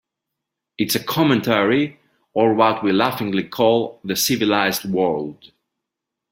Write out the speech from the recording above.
It's a commentary on what we laughingly call the civilized world.